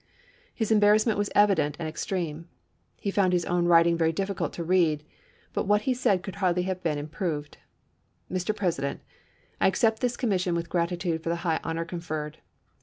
His embarrassment was evident and ex treme ;^ lie found his own wiiting very difficult to read ; but what he said could hardly have been im proved :" Mr. President, I accept this commission with gratitude for the high honor conferred.